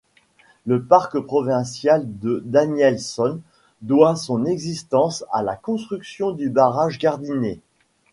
Le parc provincial de Danielson doit son existence à la construction du barrage Gardiner.